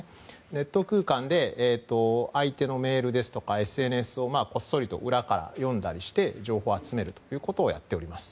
ネット空間で相手のメールですとかＳＮＳをこっそりと裏から読んだりして情報を集めるということをやっております。